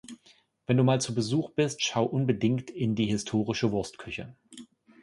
Wenn du mal zu Besuch bist, schau unbedingt in die "Historische Wurstküche".